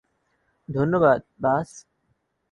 ধন্যবাদ, বাস।